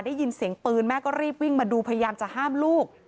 ได้ยินเสียงปืนแม่ก็รีบวิ่งมาดูพยายามจะห้ามลูก